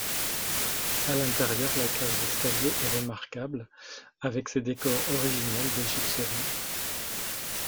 À l'intérieur, la cage d'escalier est remarquable, avec ses décors originels de gypserie.